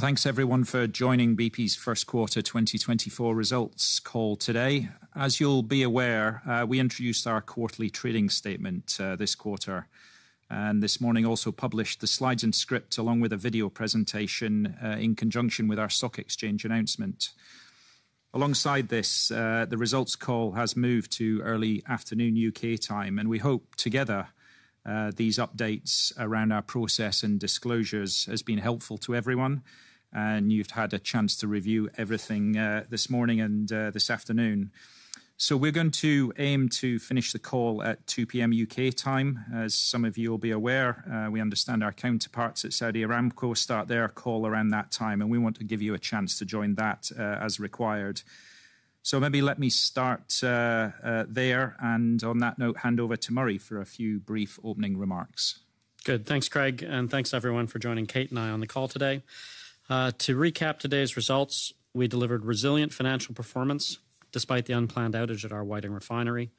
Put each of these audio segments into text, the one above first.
Thanks everyone for joining BP's first quarter 2024 results call today. As you'll be aware, we introduced our quarterly trading statement, this quarter, and this morning also published the slides and script, along with a video presentation, in conjunction with our stock exchange announcement. Alongside this, the results call has moved to early afternoon U.K. time, and we hope together, these updates around our process and disclosures has been helpful to everyone, and you've had a chance to review everything, this morning and, this afternoon. So we're going to aim to finish the call at 2 P.M. U.K. time. As some of you will be aware, we understand our counterparts at Saudi Aramco start their call around that time, and we want to give you a chance to join that, as required. Maybe let me start there, and on that note, hand over to Murray for a few brief opening remarks. Good. Thanks, Craig, and thanks, everyone, for joining Kate and I on the call today. To recap today's results, we delivered resilient financial performance despite the unplanned outage at our Whiting Refinery.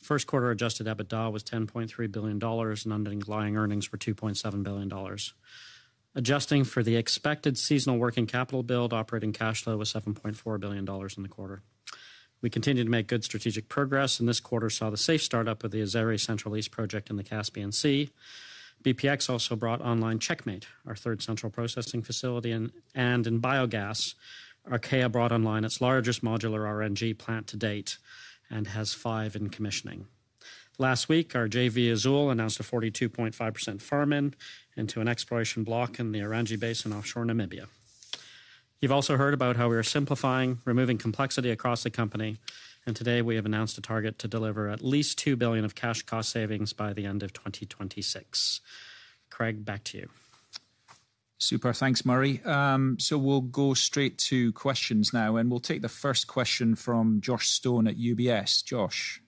First quarter adjusted EBITDA was $10.3 billion, and underlying earnings were $2.7 billion. Adjusting for the expected seasonal working capital build, operating cash flow was $7.4 billion in the quarter. We continued to make good strategic progress, and this quarter saw the safe startup of the Azeri Central East project in the Caspian Sea. BPX also brought online Checkmate, our third central processing facility, and, and in biogas, Archaea brought online its largest modular RNG plant to date and has five in commissioning. Last week, our JV Azule announced a 42.5% farm-in into an exploration block in the Orange Basin offshore Namibia. You've also heard about how we are simplifying, removing complexity across the company, and today we have announced a target to deliver at least $2 billion of cash cost savings by the end of 2026. Craig, back to you. Super. Thanks, Murray. So we'll go straight to questions now, and we'll take the first question from Josh Stone at UBS. Josh?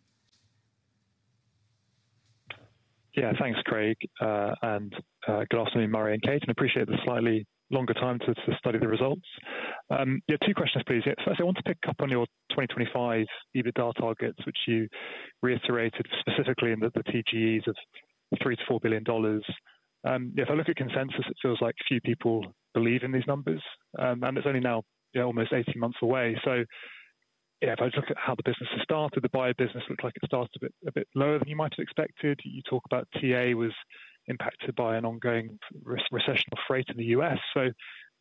Thanks, Craig, and good afternoon, Murray and Kate. I appreciate the slightly longer time to study the results. Yeah, 2 questions, please. Yeah, so I want to pick up on your 2025 EBITDA targets, which you reiterated specifically in the TGEs of $3 billion-$4 billion. If I look at consensus, it feels like few people believe in these numbers, and it's only now, yeah, almost 18 months away. So yeah, if I look at how the business has started, the bio business looks like it started a bit, a bit lower than you might have expected. You talk about TA was impacted by an ongoing recession of freight in the US.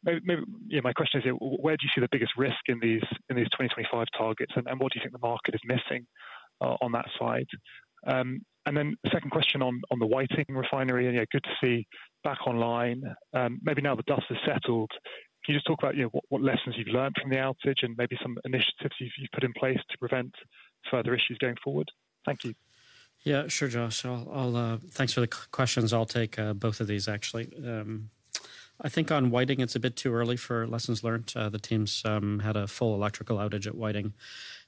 My question is, where do you see the biggest risk in these 2025 targets, and what do you think the market is missing on that slide? And then the second question on the Whiting Refinery, good to see back online. Maybe now the dust is settled. Can you just talk about, you know, what lessons you've learned from the outage and maybe some initiatives you've put in place to prevent further issues going forward? Thank you. Yeah, sure, Josh. Thanks for the questions. I'll take both of these actually. I think on Whiting, it's a bit too early for lessons learned. The teams had a full electrical outage at Whiting.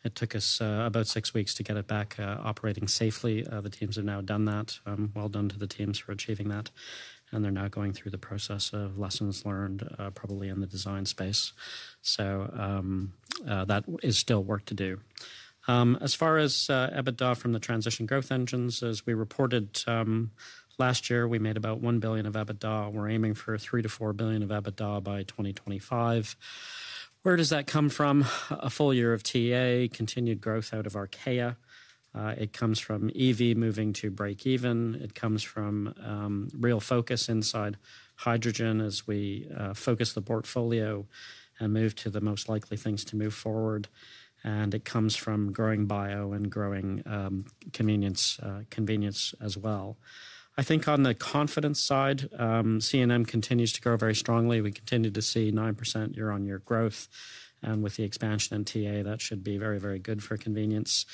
It took us about six weeks to get it back operating safely. The teams have now done that. Well done to the teams for achieving that, and they're now going through the process of lessons learned, probably in the design space. So, that is still work to do. As far as EBITDA from the transition growth engines, as we reported last year, we made about $1 billion of EBITDA. We're aiming for $3 billion-$4 billion of EBITDA by 2025. Where does that come from? A full year of TA, continued growth out of Archaea. It comes from EV moving to breakeven. It comes from real focus inside hydrogen as we focus the portfolio and move to the most likely things to move forward, and it comes from growing bio and growing convenience, convenience as well. I think on the confidence side, Castrol continues to grow very strongly. We continue to see 9% year-on-year growth, and with the expansion in TA, that should be very, very good for convenience.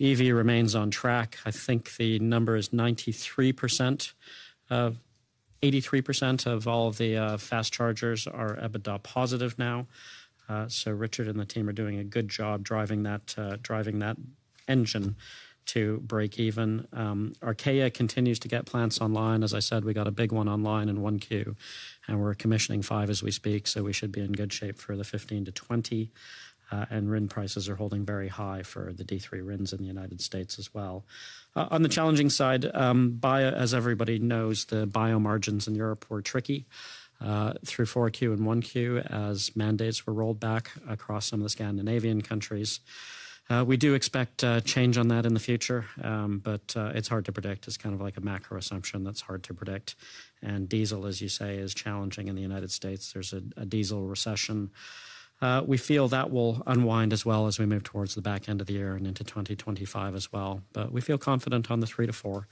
EV remains on track. I think the number is 93% of-- 83% of all the fast chargers are EBITDA positive now. So Richard and the team are doing a good job driving that engine to breakeven. Archaea continues to get plants online. As I said, we got a big one online in 1Q, and we're commissioning five as we speak, so we should be in good shape for the 15-20, and RIN prices are holding very high for the D3 RINs in the United States as well. On the challenging side, bio, as everybody knows, the bio margins in Europe were tricky through 4Q and 1Q, as mandates were rolled back across some of the Scandinavian countries. We do expect a change on that in the future, but it's hard to predict. It's kind of like a macro assumption that's hard to predict. Diesel, as you say, is challenging in the United States. There's a diesel recession. We feel that will unwind as well as we move towards the back end of the year and into 2025 as well. But we feel confident on the 3-4,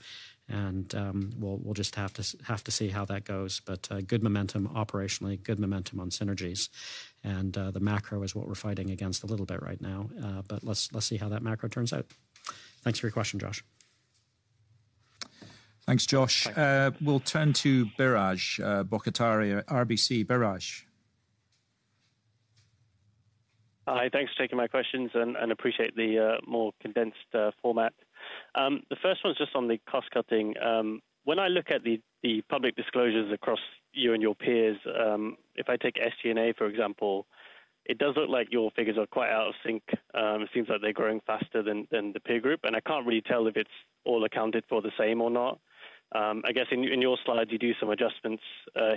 and we'll just have to see how that goes. But good momentum operationally, good momentum on synergies, and the macro is what we're fighting against a little bit right now. But let's see how that macro turns out. Thanks for your question, Josh. Thanks, Josh. We'll turn to Biraj Borkhataria, RBC. Biraj? Hi, thanks for taking my questions and appreciate the more condensed format. The first one is just on the cost cutting. When I look at the public disclosures across you and your peers, if I take SG&A, for example. It does look like your figures are quite out of sync. It seems like they're growing faster than the peer group, and I can't really tell if it's all accounted for the same or not. I guess in your slide, you do some adjustments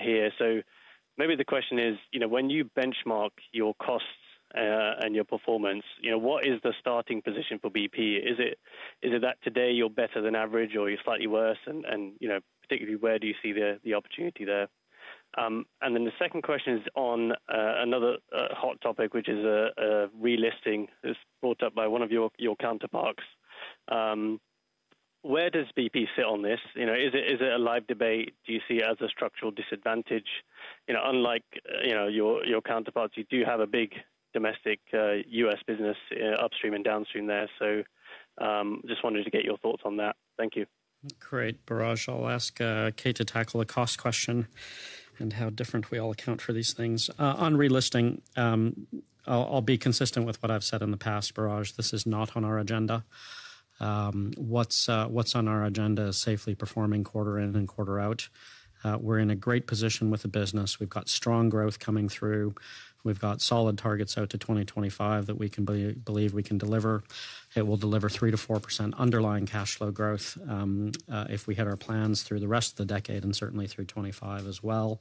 here. So maybe the question is, you know, when you benchmark your costs and your performance, you know, what is the starting position for BP? Is it that today you're better than average or you're slightly worse? You know, particularly, where do you see the opportunity there? And then the second question is on another hot topic, which is relisting. It was brought up by one of your counterparts. Where does BP sit on this? You know, is it a live debate? Do you see it as a structural disadvantage? You know, unlike, you know, your counterparts, you do have a big domestic U.S. business upstream and downstream there. So, just wanted to get your thoughts on that. Thank you. Great, Biraj. I'll ask Kate to tackle the cost question and how different we all account for these things. On relisting, I'll be consistent with what I've said in the past, Biraj: this is not on our agenda. What's on our agenda is safely performing quarter in and quarter out. We're in a great position with the business. We've got strong growth coming through. We've got solid targets out to 2025 that we can believe we can deliver. It will deliver 3%-4% underlying cash flow growth, if we hit our plans through the rest of the decade and certainly through 2025 as well.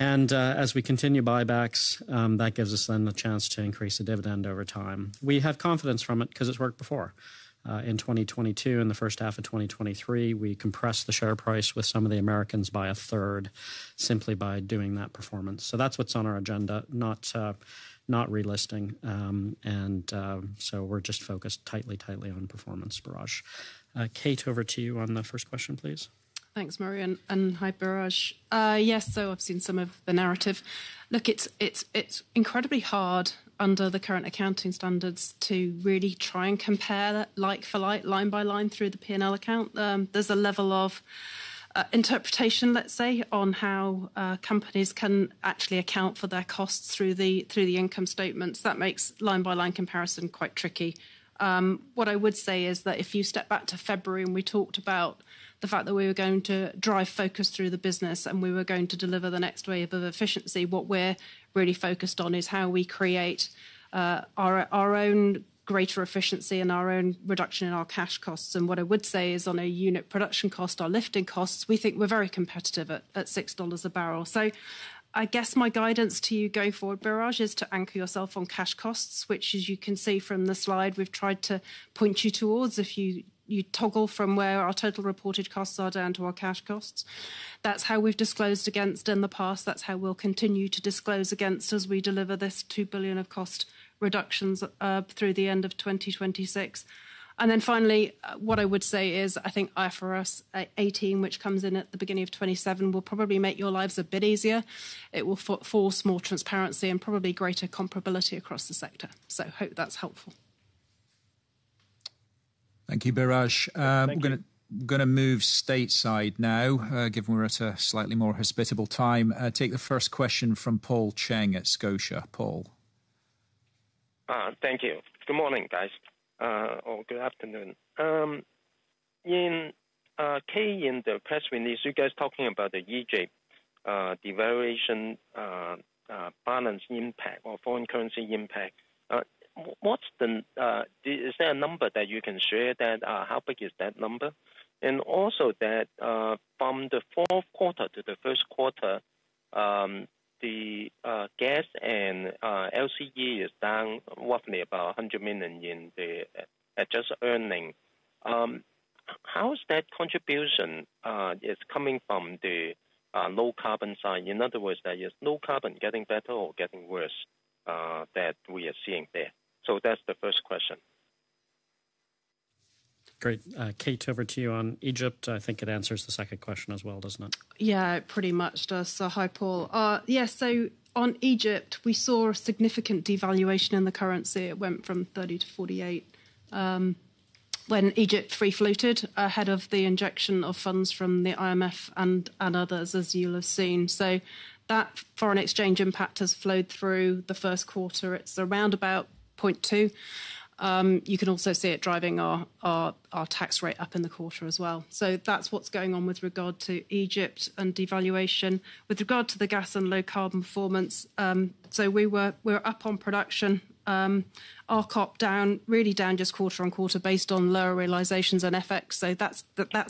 And, as we continue buybacks, that gives us then the chance to increase the dividend over time. We have confidence from it 'cause it's worked before. In 2022 and the first half of 2023, we compressed the share price with some of the Americans by a third, simply by doing that performance. So that's what's on our agenda, not, not relisting. And so we're just focused tightly, tightly on performance, Biraj. Kate, over to you on the first question, please. Thanks, Murray, and hi, Biraj. Yes, so I've seen some of the narrative. Look, it's incredibly hard under the current accounting standards to really try and compare like for like, line by line through the P&L account. There's a level of interpretation, let's say, on how companies can actually account for their costs through the income statements. That makes line-by-line comparison quite tricky. What I would say is that if you step back to February, and we talked about the fact that we were going to drive focus through the business, and we were going to deliver the next wave of efficiency, what we're really focused on is how we create our own greater efficiency and our own reduction in our cash costs. What I would say is, on a unit production cost, our lifting costs, we think we're very competitive at $6 a barrel. So I guess my guidance to you going forward, Biraj, is to anchor yourself on cash costs, which, as you can see from the slide, we've tried to point you towards. If you toggle from where our total reported costs are down to our cash costs, that's how we've disclosed against in the past. That's how we'll continue to disclose against as we deliver this $2 billion of cost reductions through the end of 2026. And then finally, what I would say is, I think IFRS 18, which comes in at the beginning of 2027, will probably make your lives a bit easier. It will force more transparency and probably greater comparability across the sector. So hope that's helpful. Thank you, Biraj. Thank you. We're gonna move stateside now, given we're at a slightly more hospitable time. Take the first question from Paul Cheng at Scotia. Paul? Thank you. Good morning, guys, or good afternoon. Kate, in the press release, you guys talking about the Egypt devaluation balance impact or foreign currency impact. What's the... Is there a number that you can share that how big is that number? And also that from the fourth quarter to the first quarter, the gas and LCE is down roughly about $100 million in the adjusted earning. How is that contribution is coming from the low-carbon side? In other words, that is low carbon getting better or getting worse that we are seeing there? So that's the first question. Great. Kate, over to you on Egypt. I think it answers the second question as well, doesn't it? Yeah, it pretty much does. So hi, Paul. Yes, so on Egypt, we saw a significant devaluation in the currency. It went from 30 to 48, when Egypt free-floated ahead of the injection of funds from the IMF and others, as you'll have seen. So that foreign exchange impact has flowed through the first quarter. It's around about 0.2. You can also see it driving our tax rate up in the quarter as well. So that's what's going on with regard to Egypt and devaluation. With regard to the gas and low-carbon performance, so we're up on production, our COP down, really down just quarter-on-quarter based on lower realizations and FX. So that's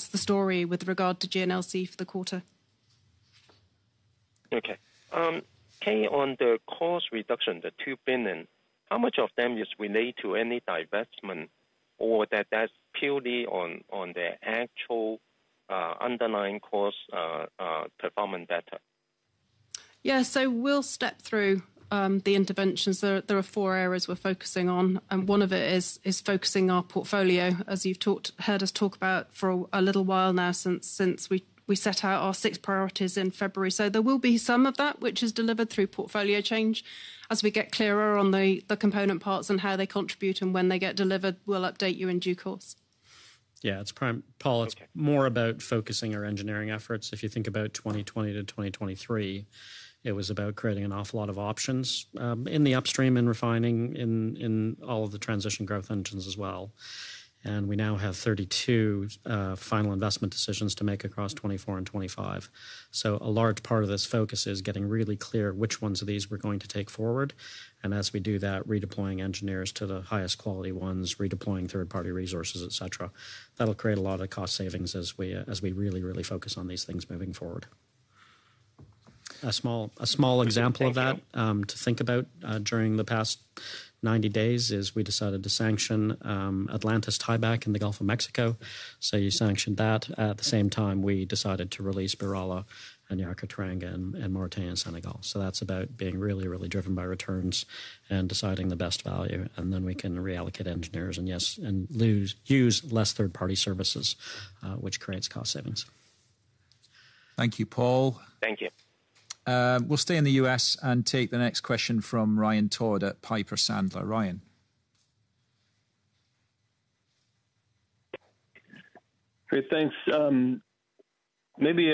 the story with regard to GNLC for the quarter. Okay. Kate, on the cost reduction, the $2 billion, how much of them is related to any divestment, or that that's purely on the actual underlying cost performance data? Yeah. So we'll step through the interventions. There are four areas we're focusing on, and one of it is focusing our portfolio, as you've heard us talk about for a little while now, since we set out our six priorities in February. So there will be some of that which is delivered through portfolio change. As we get clearer on the component parts and how they contribute and when they get delivered, we'll update you in due course.... Yeah, it's prime. Paul, it's more about focusing our engineering efforts. If you think about 2020 to 2023, it was about creating an awful lot of options in the upstream, in refining, in all of the transition growth engines as well. We now have 32 final investment decisions to make across 2024 and 2025. So a large part of this focus is getting really clear which ones of these we're going to take forward, and as we do that, redeploying engineers to the highest quality ones, redeploying third-party resources, et cetera. That'll create a lot of cost savings as we really, really focus on these things moving forward. A small example of that to think about during the past 90 days is we decided to sanction Atlantis tieback in the Gulf of Mexico. So you sanctioned that. At the same time, we decided to release BirAllah and Yakaar-Teranga and Mauritania in Senegal. So that's about being really, really driven by returns and deciding the best value, and then we can reallocate engineers and yes, and use less third-party services, which creates cost savings. Thank you, Paul. Thank you. We'll stay in the U.S. and take the next question from Ryan Todd at Piper Sandler. Ryan? Great, thanks. Maybe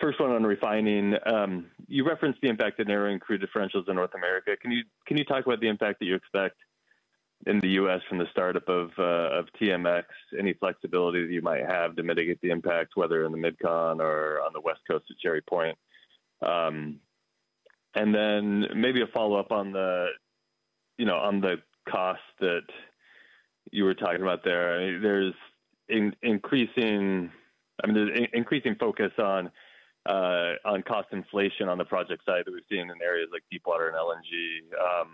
first one on refining. You referenced the impact of narrowing crude differentials in North America. Can you talk about the impact that you expect in the US from the startup of TMX? Any flexibility that you might have to mitigate the impact, whether in the MidCon or on the West Coast to Cherry Point? And then maybe a follow-up on the, you know, on the cost that you were talking about there. There's increasing... I mean, there's increasing focus on cost inflation on the project side that we've seen in areas like deepwater and LNG,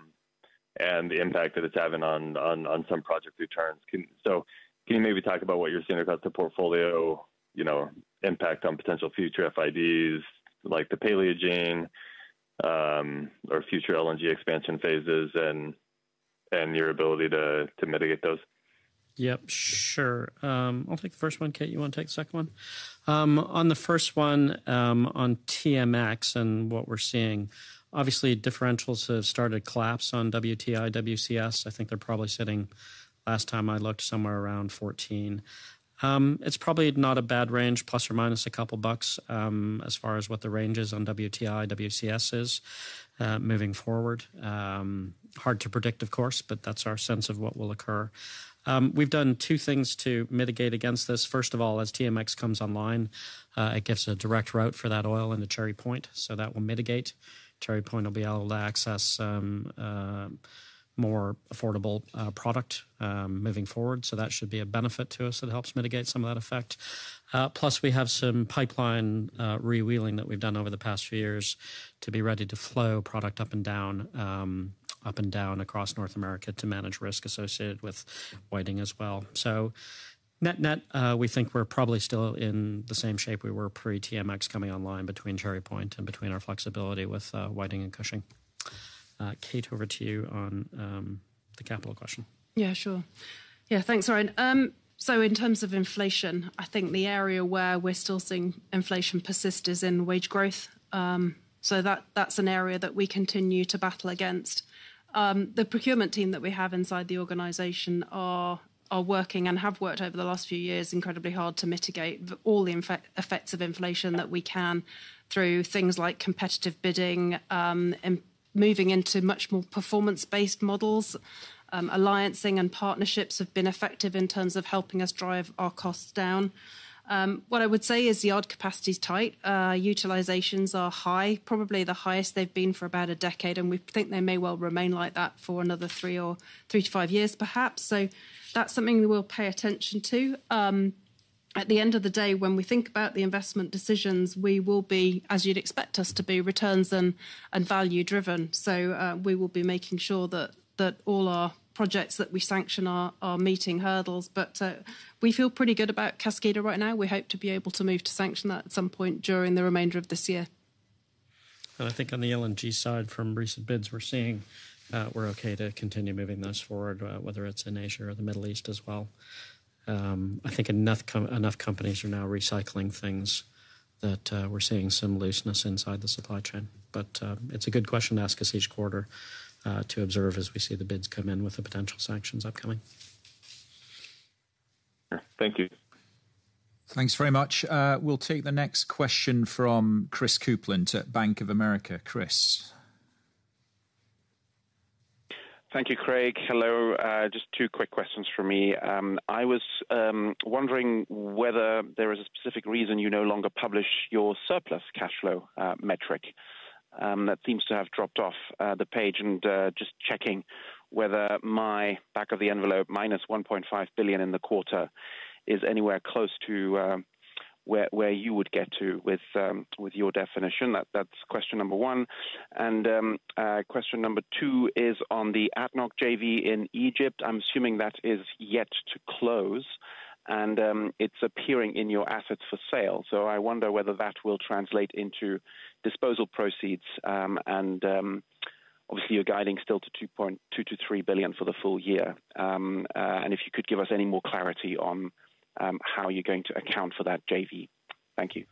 and the impact that it's having on some project returns. Can you maybe talk about what you're seeing across the portfolio, you know, impact on potential future FIDs, like the Paleogene, or future LNG expansion phases and your ability to mitigate those? Yep, sure. I'll take the first one. Kate, you want to take the second one? On the first one, on TMX and what we're seeing, obviously, differentials have started to collapse on WTI, WCS. I think they're probably sitting, last time I looked, somewhere around $14. It's probably not a bad range, plus or minus a couple bucks, as far as what the range is on WTI, WCS is, moving forward. Hard to predict, of course, but that's our sense of what will occur. We've done two things to mitigate against this. First of all, as TMX comes online, it gives a direct route for that oil into Cherry Point, so that will mitigate. Cherry Point will be able to access more affordable product moving forward, so that should be a benefit to us that helps mitigate some of that effect. Plus, we have some pipeline rewheeling that we've done over the past few years to be ready to flow product up and down, up and down across North America to manage risk associated with Whiting as well. So net-net, we think we're probably still in the same shape we were pre-TMX coming online between Cherry Point and between our flexibility with Whiting and Cushing. Kate, over to you on the capital question. Yeah, sure. Yeah, thanks, Ryan. So in terms of inflation, I think the area where we're still seeing inflation persist is in wage growth. So that, that's an area that we continue to battle against. The procurement team that we have inside the organization are working and have worked over the last few years incredibly hard to mitigate the effects of inflation that we can through things like competitive bidding, and moving into much more performance-based models. Alliancing and partnerships have been effective in terms of helping us drive our costs down. What I would say is the yard capacity is tight. Utilizations are high, probably the highest they've been for about a decade, and we think they may well remain like that for another or three to five years, perhaps. So that's something we will pay attention to. At the end of the day, when we think about the investment decisions, we will be, as you'd expect us to be, returns and value driven. So, we will be making sure that all our projects that we sanction are meeting hurdles. But, we feel pretty good about Kaskida right now. We hope to be able to move to sanction that at some point during the remainder of this year. I think on the LNG side, from recent bids we're seeing, we're okay to continue moving this forward, whether it's in Asia or the Middle East as well. I think enough companies are now recycling things that, we're seeing some looseness inside the supply chain. But, it's a good question to ask us each quarter, to observe as we see the bids come in with the potential sanctions upcoming. Thank you. Thanks very much. We'll take the next question from Chris Kuplent at Bank of America. Chris? Thank you, Craig. Hello, just two quick questions from me. I was wondering whether there is a specific reason you no longer publish your surplus cash flow metric. That seems to have dropped off the page, and just checking whether my back of the envelope -$1.5 billion in the quarter is anywhere close to where you would get to with your definition. That's question number one. Question number two is on the ADNOC JV in Egypt. I'm assuming that is yet to close, and it's appearing in your assets for sale. So I wonder whether that will translate into disposal proceeds, and obviously, you're guiding still to $2 billion-$3 billion for the full year. If you could give us any more clarity on how you're going to account for that JV. Thank you....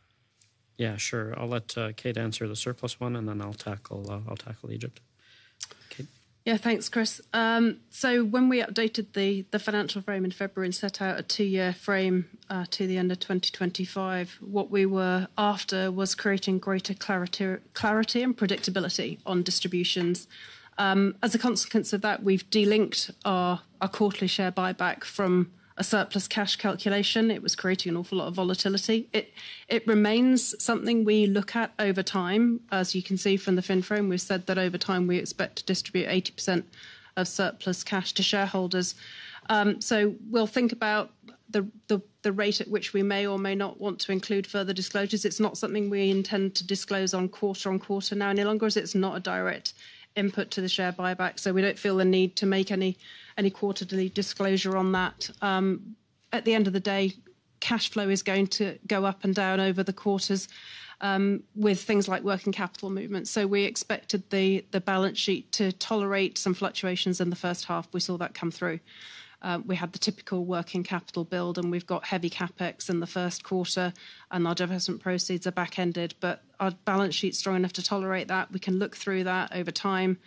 Yeah, sure. I'll let Kate answer the surplus one, and then I'll tackle Egypt. Kate? Yeah, thanks, Chris. So when we updated the, the financial frame in February and set out a two-year frame to the end of 2025, what we were after was creating greater clarity, clarity and predictability on distributions. As a consequence of that, we've delinked our, our quarterly share buyback from a surplus cash calculation. It was creating an awful lot of volatility. It, it remains something we look at over time. As you can see from the financial frame, we've said that over time, we expect to distribute 80% of surplus cash to shareholders. So we'll think about the, the, the rate at which we may or may not want to include further disclosures. It's not something we intend to disclose on quarter-on-quarter now any longer, as it's not a direct input to the share buyback, so we don't feel the need to make any quarterly disclosure on that. At the end of the day, cash flow is going to go up and down over the quarters, with things like working capital movements. So we expected the balance sheet to tolerate some fluctuations in the first half. We saw that come through. We had the typical working capital build, and we've got heavy CapEx in the first quarter, and our dividend proceeds are backended, but our balance sheet's strong enough to tolerate that. We can look through that over time,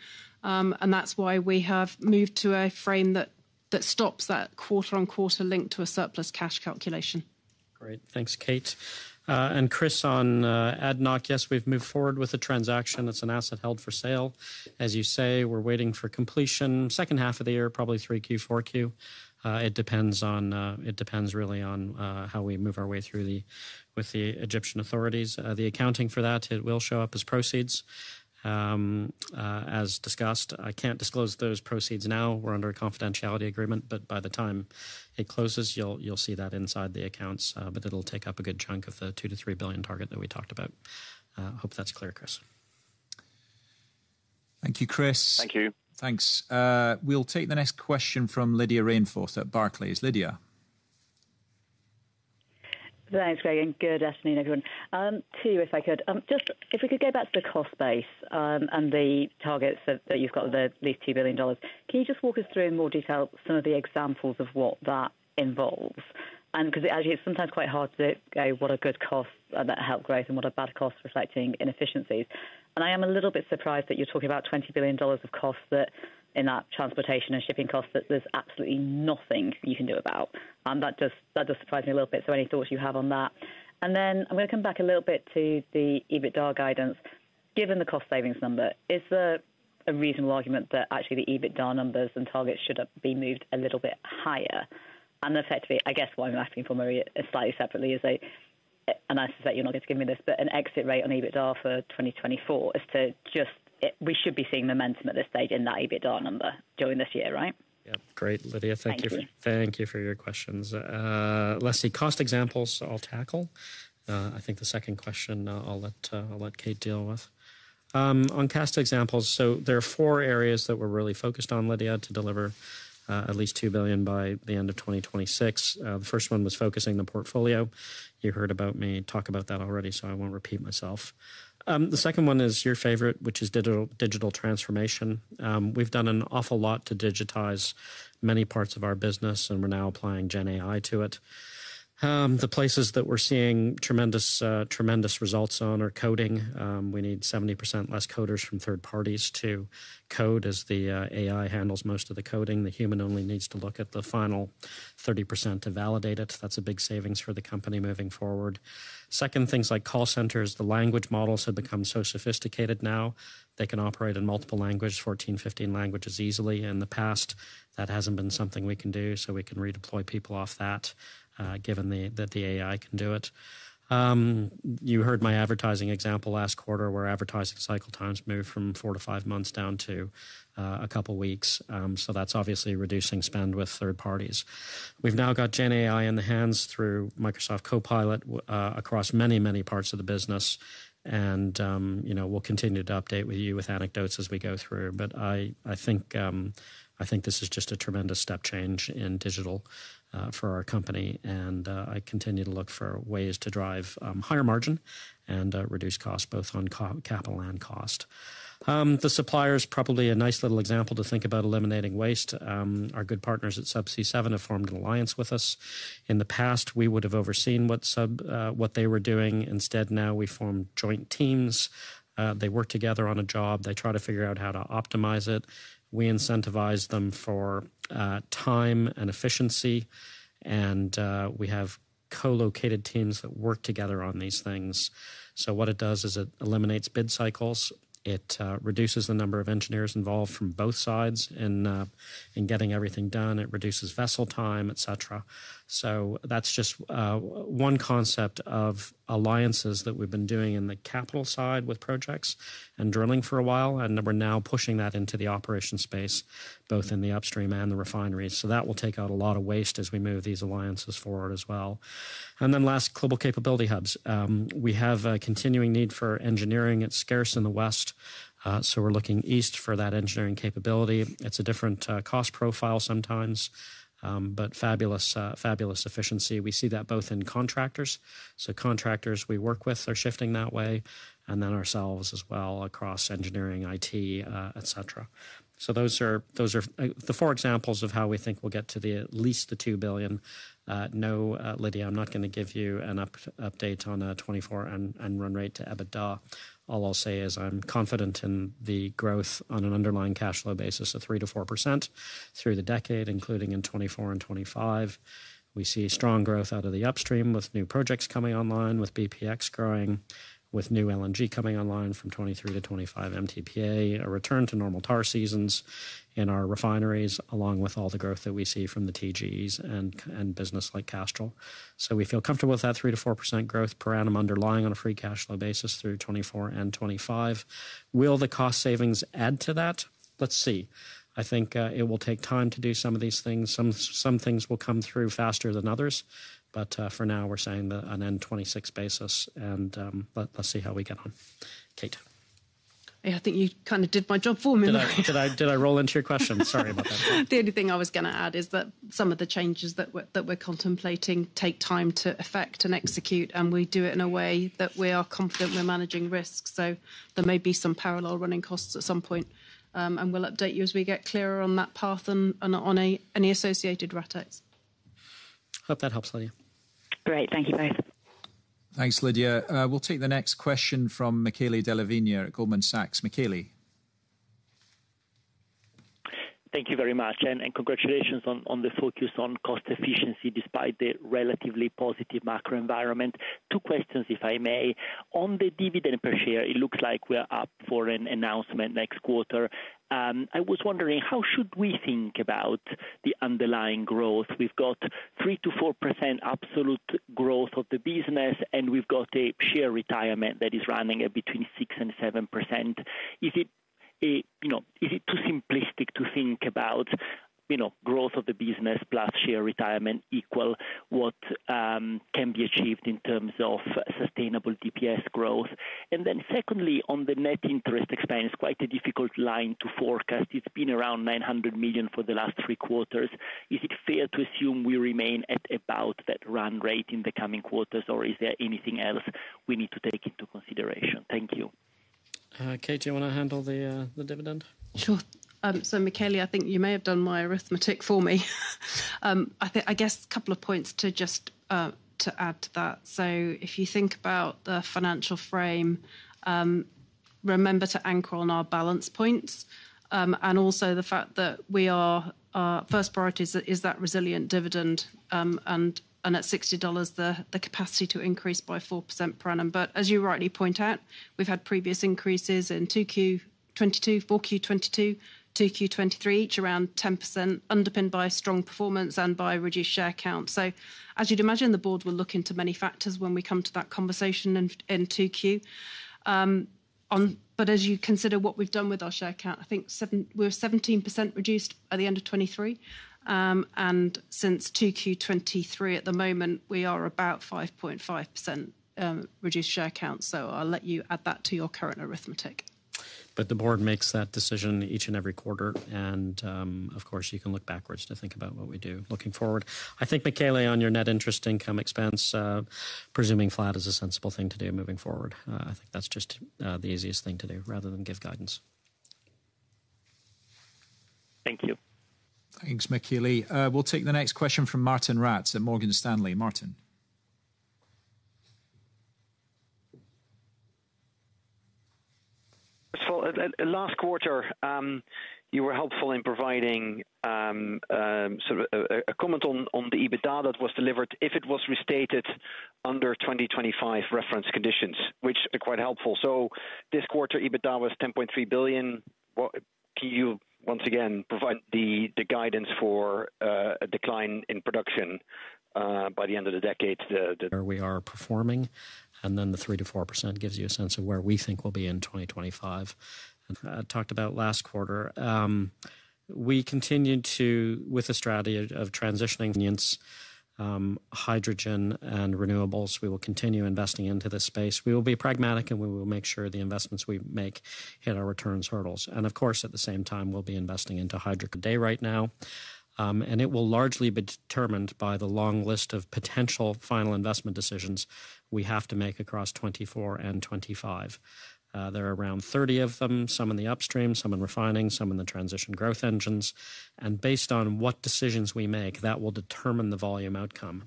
and that's why we have moved to a frame that stops that quarter-on-quarter link to a surplus cash calculation. Great. Thanks, Kate. And Chris, on Adnoc, yes, we've moved forward with the transaction. That's an asset held for sale. As you say, we're waiting for completion second half of the year, probably 3Q, 4Q. It depends really on how we move our way through with the Egyptian authorities. The accounting for that, it will show up as proceeds. As discussed, I can't disclose those proceeds now. We're under a confidentiality agreement, but by the time it closes, you'll see that inside the accounts, but it'll take up a good chunk of the $2 billion-$3 billion target that we talked about. Hope that's clear, Chris. Thank you, Chris. Thank you. Thanks. We'll take the next question from Lydia Rainforth at Barclays. Lydia? Thanks, Craig, and good afternoon, everyone. Two, if I could. Just if we could go back to the cost base, and the targets that, that you've got, the at least $2 billion. Can you just walk us through in more detail some of the examples of what that involves? And because it's sometimes quite hard to go, what are good costs that help growth and what are bad costs reflecting inefficiencies. And I am a little bit surprised that you're talking about $20 billion of costs that in that transportation and shipping costs, that there's absolutely nothing you can do about, and that does, that does surprise me a little bit. So any thoughts you have on that? And then I'm going to come back a little bit to the EBITDA guidance. Given the cost savings number, is there a reasonable argument that actually the EBITDA numbers and targets should have been moved a little bit higher? And effectively, I guess why I'm asking for Maria slightly separately is that, and I suspect you're not going to give me this, but an exit rate on EBITDA for 2024 as to just, we should be seeing momentum at this stage in that EBITDA number during this year, right? Yep. Great, Lydia. Thank you. Thank you for your questions. Let's see, cost examples I'll tackle. I think the second question, I'll let Kate deal with. On cost examples, so there are four areas that we're really focused on, Lydia, to deliver at least $2 billion by the end of 2026. The first one was focusing the portfolio. You heard about me talk about that already, so I won't repeat myself. The second one is your favorite, which is digital, digital transformation. We've done an awful lot to digitize many parts of our business, and we're now applying Gen AI to it. The places that we're seeing tremendous, tremendous results on are coding. We need 70% less coders from third parties to code as the AI handles most of the coding. The human only needs to look at the final 30% to validate it. That's a big savings for the company moving forward. Second, things like call centers. The language models have become so sophisticated now. They can operate in multiple languages, 14, 15 languages easily. In the past, that hasn't been something we can do, so we can redeploy people off that, given that the AI can do it. You heard my advertising example last quarter, where advertising cycle times moved from 4-5 months down to a couple of weeks. So that's obviously reducing spend with third parties. We've now got Gen AI in the hands through Microsoft Copilot across many, many parts of the business, and you know, we'll continue to update with you with anecdotes as we go through. But I think this is just a tremendous step change in digital for our company, and I continue to look for ways to drive higher margin and reduce costs, both on capital and cost. The supplier is probably a nice little example to think about eliminating waste. Our good partners at Subsea7 have formed an alliance with us. In the past, we would have overseen what they were doing. Instead, now we form joint teams. They work together on a job. They try to figure out how to optimize it. We incentivize them for time and efficiency, and we have co-located teams that work together on these things. So what it does is it eliminates bid cycles, it reduces the number of engineers involved from both sides in getting everything done, it reduces vessel time, et cetera. So that's just one concept of alliances that we've been doing in the capital side with projects and drilling for a while, and we're now pushing that into the operation space, both in the upstream and the refineries. So that will take out a lot of waste as we move these alliances forward as well. And then last, global capability hubs. We have a continuing need for engineering. It's scarce in the West, so we're looking east for that engineering capability. It's a different cost profile sometimes, but fabulous fabulous efficiency. We see that both in contractors, so contractors we work with are shifting that way, and then ourselves as well across engineering, IT, et cetera. So those are, those are, the four examples of how we think we'll get to at least the $2 billion-... No, Lydia, I'm not gonna give you an update on 2024 and run rate to EBITDA. All I'll say is I'm confident in the growth on an underlying cash flow basis of 3%-4% through the decade, including in 2024 and 2025. We see strong growth out of the upstream, with new projects coming online, with BPX growing, with new LNG coming online from 2023 to 25 MTPA, a return to normal TA seasons in our refineries, along with all the growth that we see from the TGEs and businesses like Castrol. So we feel comfortable with that 3%-4% growth per annum underlying on a free cash flow basis through 2024 and 2025. Will the cost savings add to that? Let's see. I think it will take time to do some of these things. Some things will come through faster than others, but for now, we're saying on a 2026 basis, and let's see how we get on. Kate? Yeah, I think you kind of did my job for me. Did I roll into your question? Sorry about that. The only thing I was gonna add is that some of the changes that we're contemplating take time to effect and execute, and we do it in a way that we are confident we're managing risks. So there may be some parallel running costs at some point, and we'll update you as we get clearer on that path and on any associated rate hikes. Hope that helps, Lydia. Great. Thank you both. Thanks, Lydia. We'll take the next question from Michele Della Vigna at Goldman Sachs. Michele? Thank you very much, and congratulations on the focus on cost efficiency, despite the relatively positive macro environment. Two questions, if I may. On the dividend per share, it looks like we are up for an announcement next quarter. I was wondering: How should we think about the underlying growth? We've got 3%-4% absolute growth of the business, and we've got a share retirement that is running at between 6% and 7%. Is it a... You know, is it too simplistic to think about, you know, growth of the business plus share retirement equal what can be achieved in terms of sustainable DPS growth? And then secondly, on the net interest expense, quite a difficult line to forecast. It's been around $900 million for the last three quarters. Is it fair to assume we remain at about that run rate in the coming quarters, or is there anything else we need to take into consideration? Thank you. Kate, do you wanna handle the dividend? Sure. So Michele, I think you may have done my arithmetic for me. I guess a couple of points to just to add to that. So if you think about the financial frame, remember to anchor on our balance points, and also the fact that we are, our first priority is, is that resilient dividend, and at $60, the capacity to increase by 4% per annum. But as you rightly point out, we've had previous increases in 2Q 2022, 4Q 2022, 2Q 2023, each around 10%, underpinned by strong performance and by reduced share count. So as you'd imagine, the board will look into many factors when we come to that conversation in 2Q. But as you consider what we've done with our share count, I think we're 17% reduced at the end of 2023. And since 2Q 2023, at the moment, we are about 5.5% reduced share count, so I'll let you add that to your current arithmetic. The board makes that decision each and every quarter, and, of course, you can look backwards to think about what we do. Looking forward, I think, Michele, on your net interest income expense, presuming flat is a sensible thing to do moving forward. I think that's just, the easiest thing to do, rather than give guidance. Thank you. Thanks, Michele. We'll take the next question from Martijn Rats at Morgan Stanley. Martijn? So at last quarter, you were helpful in providing sort of a comment on the EBITDA that was delivered if it was restated under 2025 reference conditions, which are quite helpful. So this quarter, EBITDA was $10.3 billion. What... Can you once again provide the guidance for a decline in production by the end of the decade, the- Where we are performing, and then the 3%-4% gives you a sense of where we think we'll be in 2025. Talked about last quarter. We continue to, with the strategy of transitioning its, hydrogen and renewables, we will continue investing into this space. We will be pragmatic, and we will make sure the investments we make hit our returns hurdles. And of course, at the same time, we'll be investing into hydrogen today right now. And it will largely be determined by the long list of potential final investment decisions we have to make across 2024 and 2025. There are around 30 of them, some in the upstream, some in refining, some in the transition growth engines. And based on what decisions we make, that will determine the volume outcome.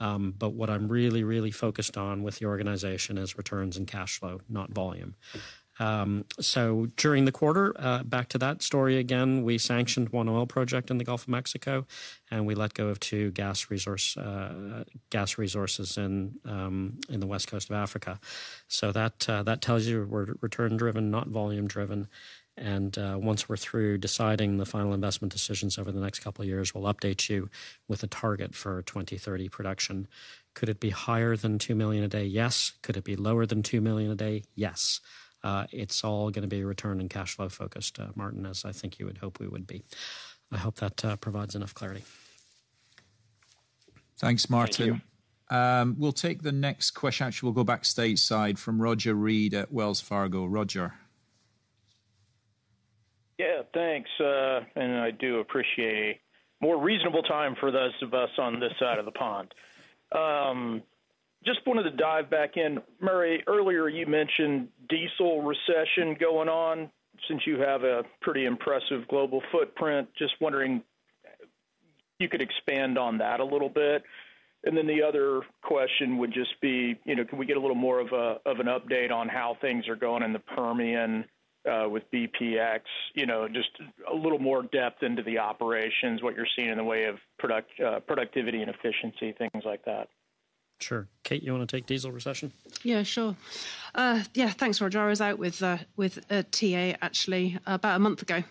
But what I'm really, really focused on with the organization is returns and cash flow, not volume. So during the quarter, back to that story again, we sanctioned one oil project in the Gulf of Mexico, and we let go of two gas resources in the west coast of Africa. So that tells you we're return-driven, not volume-driven. Once we're through deciding the final investment decisions over the next couple of years, we'll update you with a target for 2030 production. Could it be higher than $2 million a day? Yes. Could it be lower than $2 million a day? Yes. It's all gonna be return and cashflow focused, Martin, as I think you would hope we would be. I hope that provides enough clarity. Thanks, Martin. Thank you. We'll take the next question. Actually, we'll go back stateside from Roger Read at Wells Fargo. Roger? Yeah, thanks. And I do appreciate more reasonable time for those of us on this side of the pond.... Just wanted to dive back in. Murray, earlier you mentioned diesel recession going on. Since you have a pretty impressive global footprint, just wondering if you could expand on that a little bit. And then the other question would just be, you know, can we get a little more of an update on how things are going in the Permian with BPX? You know, just a little more depth into the operations, what you're seeing in the way of productivity and efficiency, things like that. Sure. Kate, you want to take diesel recession? Yeah, sure. Yeah, thanks, Roger. I was out with TA actually about a month ago.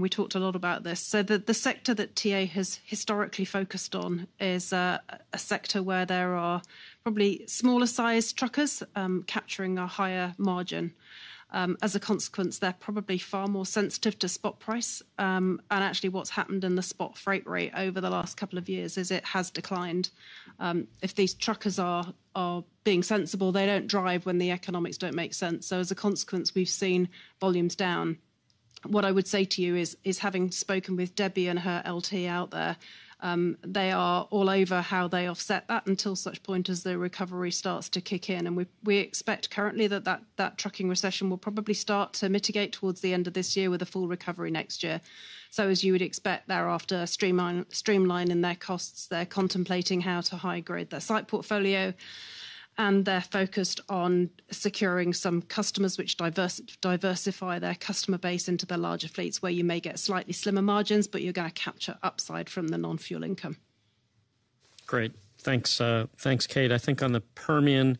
We talked a lot about this. So the sector that TA has historically focused on is a sector where there are probably smaller sized truckers capturing a higher margin. As a consequence, they're probably far more sensitive to spot price. And actually what's happened in the spot freight rate over the last couple of years is it has declined. If these truckers are being sensible, they don't drive when the economics don't make sense. So as a consequence, we've seen volumes down. What I would say to you is having spoken with Debi and her LT out there, they are all over how they offset that until such point as the recovery starts to kick in. We expect currently that trucking recession will probably start to mitigate towards the end of this year with a full recovery next year. So as you would expect, they're after streamlining their costs. They're contemplating how to high-grade their site portfolio, and they're focused on securing some customers, which diversify their customer base into the larger fleets, where you may get slightly slimmer margins, but you're gonna capture upside from the non-fuel income. Great! Thanks, thanks, Kate. I think on the Permian,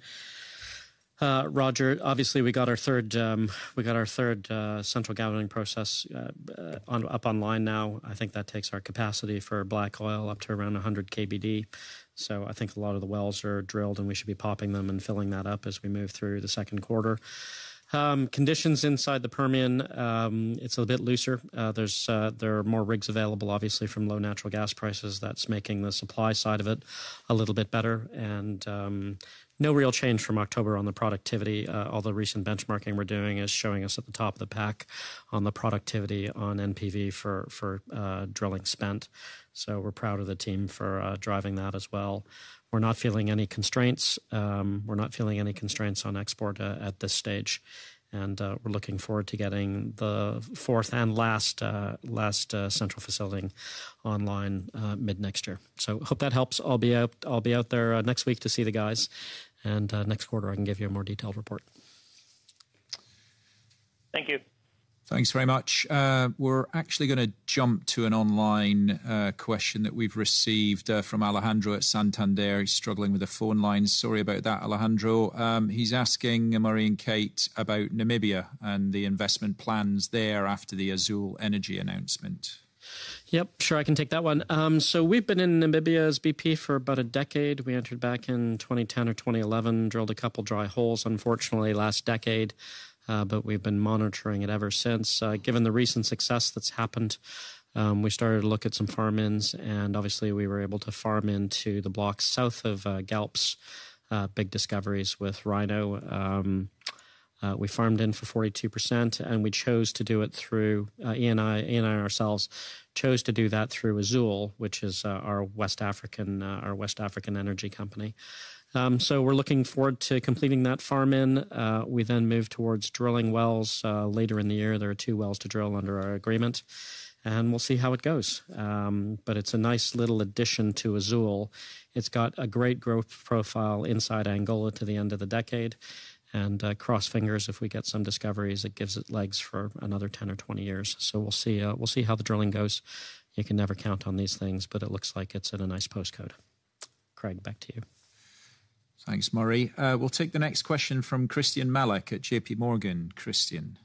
Roger, obviously, we got our third central gathering process on up online now. I think that takes our capacity for black oil up to around 100 KBD. So I think a lot of the wells are drilled, and we should be popping them and filling that up as we move through the second quarter. Conditions inside the Permian, it's a bit looser. There's, there are more rigs available, obviously, from low natural gas prices. That's making the supply side of it a little bit better, and, no real change from October on the productivity. All the recent benchmarking we're doing is showing us at the top of the pack on the productivity on NPV for, for, drilling spent. So we're proud of the team for driving that as well. We're not feeling any constraints. We're not feeling any constraints on export at this stage, and we're looking forward to getting the fourth and last central facility online mid-next year. So hope that helps. I'll be out there next week to see the guys, and next quarter, I can give you a more detailed report. Thank you. Thanks very much. We're actually gonna jump to an online question that we've received from Alejandro at Santander. He's struggling with the phone line. Sorry about that, Alejandro. He's asking Murray and Kate about Namibia and the investment plans there after the Azule Energy announcement. Yep, sure, I can take that one. So we've been in Namibia as BP for about a decade. We entered back in 2010 or 2011, drilled a couple dry holes, unfortunately, last decade, but we've been monitoring it ever since. Given the recent success that's happened, we started to look at some farm-ins, and obviously, we were able to farm into the block south of Galp's big discoveries with Rhino. We farmed in for 42%, and we chose to do it through Eni. Eni and ourselves chose to do that through Azule, which is our West African energy company. So we're looking forward to completing that farm-in. We then move towards drilling wells later in the year. There are two wells to drill under our agreement, and we'll see how it goes. But it's a nice little addition to Azule. It's got a great growth profile inside Angola to the end of the decade, and, cross fingers, if we get some discoveries, it gives it legs for another 10 or 20 years. So we'll see, we'll see how the drilling goes. You can never count on these things, but it looks like it's in a nice postcode. Craig, back to you. Thanks, Murray. We'll take the next question from Christyan Malek at JPMorgan. Christyan?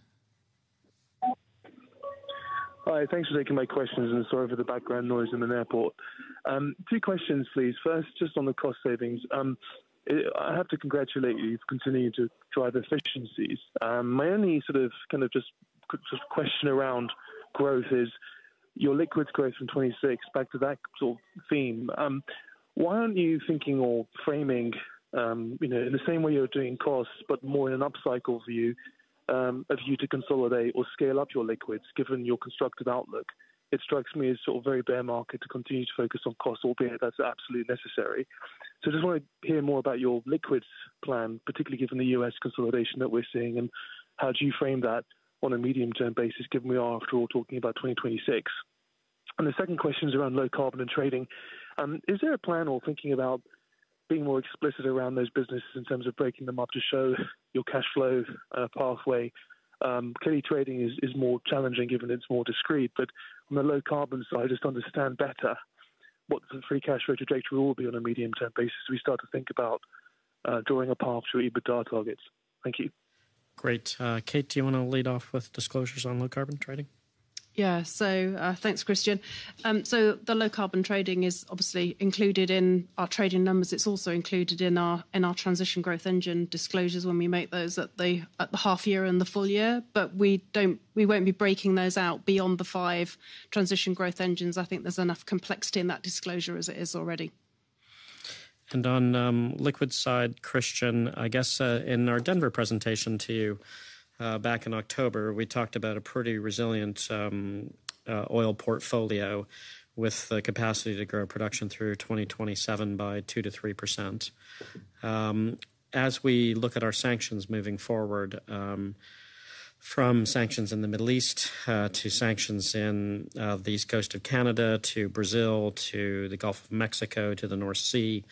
Hi, thanks for taking my questions, and sorry for the background noise in the airport. Two questions, please. First, just on the cost savings. I have to congratulate you for continuing to drive efficiencies. My only sort of, kind of just, just question around growth is, your liquids growth from 26 back to that sort of theme. Why aren't you thinking or framing, you know, in the same way you're doing costs, but more in an upcycle view, of you to consolidate or scale up your liquids, given your constructive outlook? It strikes me as sort of very bear market to continue to focus on costs, albeit that's absolutely necessary. So I just want to hear more about your liquids plan, particularly given the US consolidation that we're seeing, and how do you frame that on a medium-term basis, given we are, after all, talking about 2026. And the second question is around low carbon and trading. Is there a plan or thinking about being more explicit around those businesses in terms of breaking them up to show your cash flow pathway? Clearly, trading is more challenging, given it's more discrete, but on the low carbon side, just understand better what the free cash flow to date will be on a medium-term basis, as we start to think about drawing a path to EBITDA targets. Thank you. Great. Kate, do you want to lead off with disclosures on low-carbon trading? Yeah. So, thanks, Christian. So the low-carbon trading is obviously included in our trading numbers. It's also included in our transition growth engine disclosures when we make those at the half year and the full year. But we don't, we won't be breaking those out beyond the five transition growth engines. I think there's enough complexity in that disclosure as it is already. And on liquid side, Christian, I guess, in our Denver presentation to you, back in October, we talked about a pretty resilient oil portfolio with the capacity to grow production through 2027 by 2%-3%. As we look at our sanctions moving forward, from sanctions in the Middle East, to sanctions in the east coast of Canada, to Brazil, to the Gulf of Mexico, to the North Sea,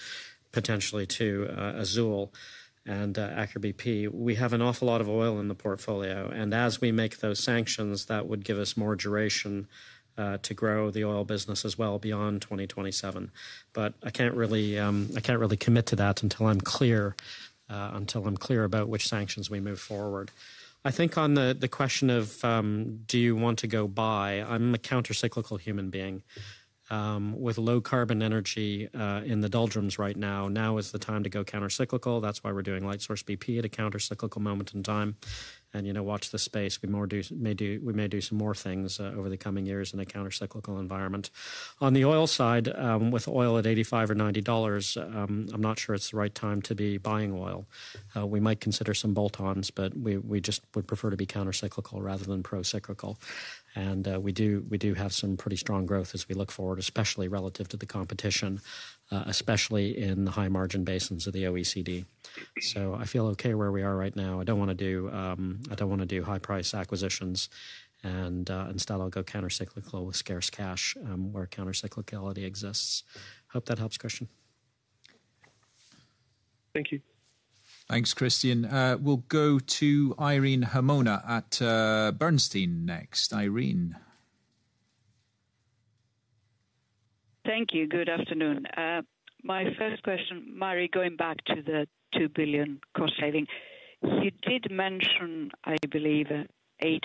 potentially to Azule and Aker BP. We have an awful lot of oil in the portfolio, and as we make those sanctions, that would give us more duration to grow the oil business as well beyond 2027. But I can't really, I can't really commit to that until I'm clear, until I'm clear about which sanctions we move forward. I think on the question of do you want to go buy, I'm a countercyclical human being. With low carbon energy in the doldrums right now, now is the time to go countercyclical. That's why we're doing Lightsource bp at a countercyclical moment in time. And, you know, watch this space, we may do, we may do some more things over the coming years in a countercyclical environment. On the oil side, with oil at $85 or $90, I'm not sure it's the right time to be buying oil. We might consider some bolt-ons, but we just would prefer to be countercyclical rather than procyclical. And, we do have some pretty strong growth as we look forward, especially relative to the competition, especially in the high-margin basins of the OECD. So I feel okay where we are right now. I don't wanna do high-price acquisitions and, instead I'll go countercyclical with scarce cash, where countercyclicality exists. Hope that helps, Christian. Thank you. Thanks, Christian. We'll go to Irene Himona at Bernstein next. Irene? Thank you. Good afternoon. My first question, Murray, going back to the $2 billion cost saving. You did mention, I believe, 8%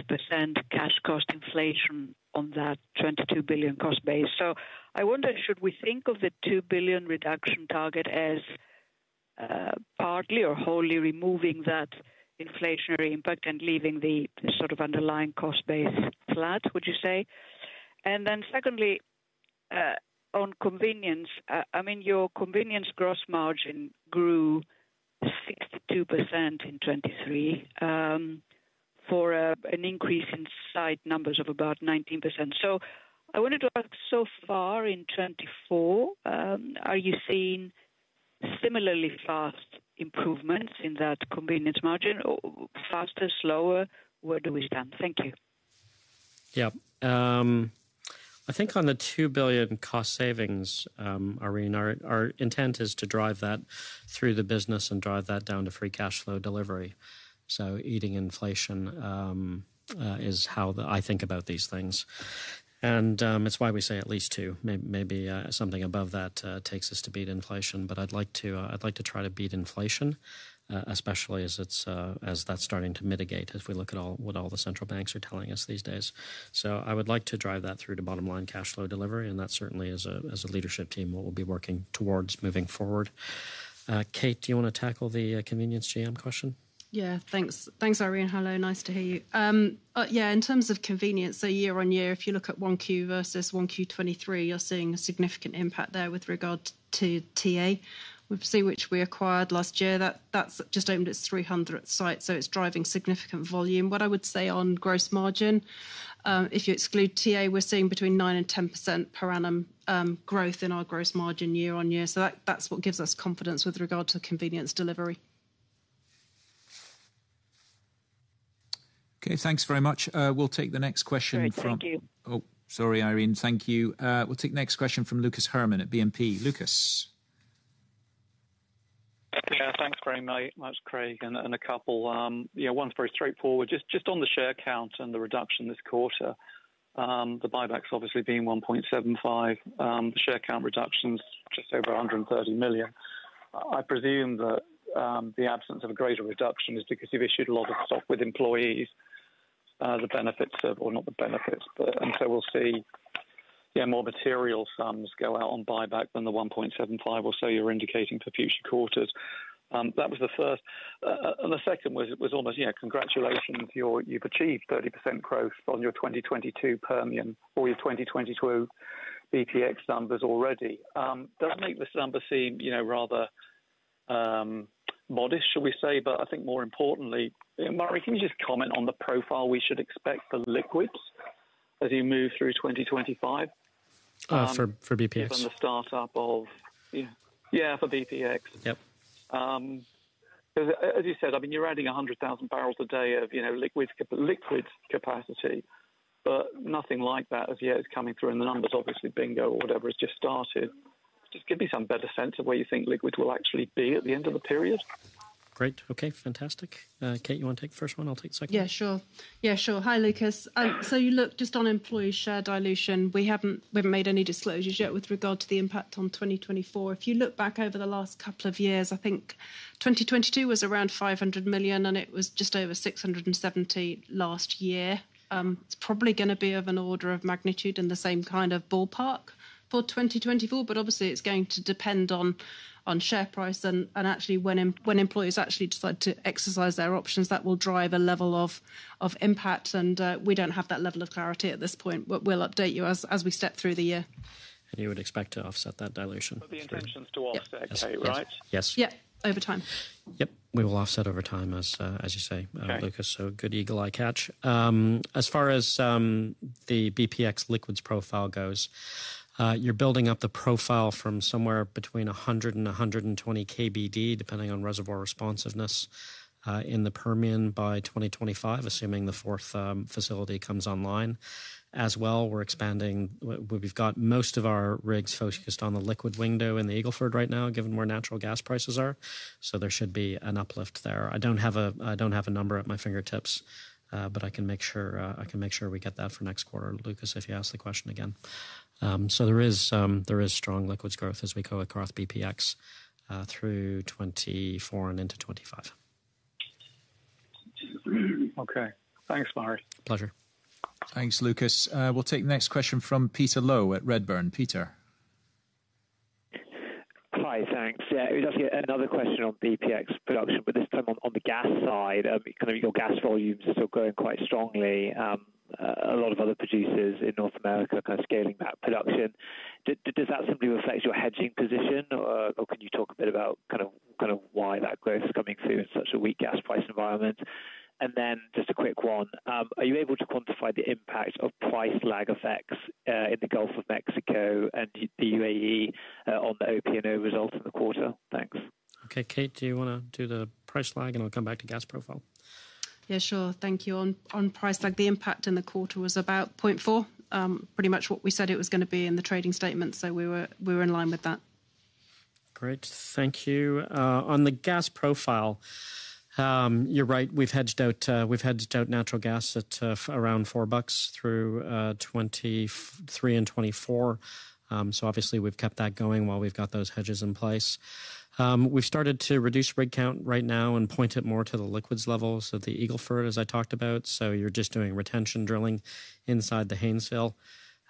cash cost inflation on that $22 billion cost base. So I wonder, should we think of the $2 billion reduction target as partly or wholly removing that inflationary impact and leaving the sort of underlying cost base flat, would you say? And then secondly, on convenience, I mean, your convenience gross margin grew 62% in 2023, for an increase in site numbers of about 19%. So I wanted to ask, so far in 2024, are you seeing similarly fast improvements in that convenience margin, or faster, slower? Where do we stand? Thank you. Yeah. I think on the $2 billion cost savings, Irene, our intent is to drive that through the business and drive that down to free cash flow delivery. So eating inflation is how I think about these things. And it's why we say at least $2 billion. Maybe something above that takes us to beat inflation, but I'd like to try to beat inflation, especially as that's starting to mitigate, as we look at what all the central banks are telling us these days. So I would like to drive that through to bottom-line cash flow delivery, and that certainly, as a leadership team, is what we'll be working towards moving forward. Kate, do you wanna tackle the convenience GM question? Yeah. Thanks. Thanks, Irene. Hello, nice to hear you. Yeah, in terms of convenience, so year on year, if you look at 1Q versus 1Q 2023, you're seeing a significant impact there with regard to TA, obviously, which we acquired last year. That, that's just opened its 300th site, so it's driving significant volume. What I would say on gross margin, if you exclude TA, we're seeing between 9% and 10% per annum growth in our gross margin year on year. So that, that's what gives us confidence with regard to convenience delivery. Okay, thanks very much. We'll take the next question from- Great, thank you. Oh, sorry, Irene. Thank you. We'll take the next question from Lucas Herrmann at BNP. Lucas? Yeah, thanks very much, Craig, and a couple, you know, one's very straightforward. Just on the share count and the reduction this quarter, the buyback's obviously been $1.75. The share count reduction's just over 130 million. I presume that the absence of a greater reduction is because you've issued a lot of stock with employees, the benefits of... or not the benefits, but and so we'll see, yeah, more material sums go out on buyback than the $1.75 or so you're indicating for future quarters. That was the first. And the second was almost, you know, congratulations, you've achieved 30% growth on your 2022 Permian or your 2022 BPX numbers already. Does that make this number seem, you know, rather, modest, shall we say? But I think more importantly, Murray, can you just comment on the profile we should expect for liquids as you move through 2025? For bpx? From the start up of... Yeah, yeah, for BPX. Yep. As you said, I mean, you're adding 100,000 barrels a day of, you know, liquid capacity, but nothing like that as yet is coming through in the numbers. Obviously, Bingo or whatever, has just started. Just give me some better sense of where you think liquids will actually be at the end of the period. Great. Okay, fantastic. Kate, you wanna take the first one? I'll take the second. Yeah, sure. Yeah, sure. Hi, Lucas. So you look just on employee share dilution. We haven't, we haven't made any disclosures yet with regard to the impact on 2024. If you look back over the last couple of years, I think 2022 was around $500 million, and it was just over $670 million last year. It's probably gonna be of an order of magnitude in the same kind of ballpark for 2024, but obviously, it's going to depend on, on share price and, and actually when employees actually decide to exercise their options, that will drive a level of, of impact, and we don't have that level of clarity at this point. But we'll update you as, as we step through the year.... and you would expect to offset that dilution? The intention is to offset, okay, right? Yes. Yeah, over time. Yep, we will offset over time, as, as you say, Lucas. Okay. Good eagle eye catch. As far as the BPX liquids profile goes, you're building up the profile from somewhere between 100 and 120 KBD, depending on reservoir responsiveness, in the Permian by 2025, assuming the fourth facility comes online. As well, we're expanding. We've got most of our rigs focused on the liquid window in the Eagle Ford right now, given where natural gas prices are. So there should be an uplift there. I don't have a number at my fingertips, but I can make sure we get that for next quarter, Lucas, if you ask the question again. So there is strong liquids growth, as we call it, across BPX, through 2024 and into 2025. Okay. Thanks, Murray. Pleasure. Thanks, Lucas. We'll take the next question from Peter Low at Redburn. Peter? Hi, thanks. Yeah, it was actually another question on BPX production, but this time on the gas side. Kind of your gas volumes are still growing quite strongly. A lot of other producers in North America are scaling back production. Does that simply reflect your hedging position, or can you talk a bit about kind of why that growth is coming through in such a weak gas price environment? And then just a quick one. Are you able to quantify the impact of price lag effects in the Gulf of Mexico and the UAE on the OP&O results in the quarter? Thanks. Okay, Kate, do you want to do the price lag, and we'll come back to gas profile? Yeah, sure. Thank you. On price lag, the impact in the quarter was about $0.4, pretty much what we said it was going to be in the trading statement, so we were in line with that. Great, thank you. On the gas profile, you're right, we've hedged out, we've hedged out natural gas at around $4 through 2023 and 2024. So obviously we've kept that going while we've got those hedges in place. We've started to reduce rig count right now and point it more to the liquids levels of the Eagle Ford, as I talked about, so you're just doing retention drilling inside the Haynesville.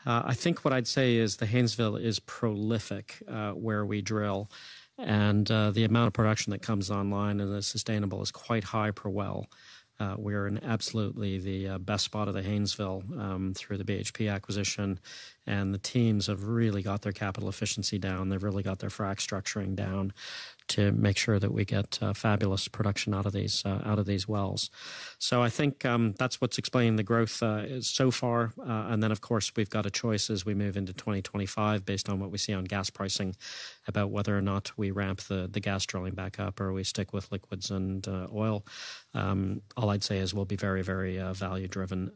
I think what I'd say is, the Haynesville is prolific, where we drill, and the amount of production that comes online and is sustainable is quite high per well. We're in absolutely the best spot of the Haynesville, through the BHP acquisition, and the teams have really got their capital efficiency down. They've really got their frack structuring down to make sure that we get fabulous production out of these wells. So I think that's what's explaining the growth so far. And then, of course, we've got a choice as we move into 2025, based on what we see on gas pricing, about whether or not we ramp the gas drilling back up or we stick with liquids and oil. All I'd say is we'll be very, very value driven.